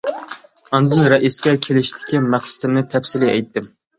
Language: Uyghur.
ئاندىن رەئىسكە كېلىشتىكى مەقسىتىمنى تەپسىلىي ئېيتتىم.